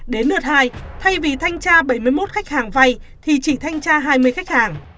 đến đợt hai thay vì thanh tra bảy mươi một khách hàng vay thì chỉ thanh tra hai mươi khách hàng